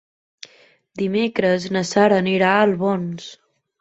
Dimecres na Sara anirà a Albons.